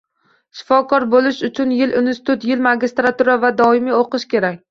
Shifokor bo'lish uchun yil institut, yil magistratura va doimiy oqish kerak!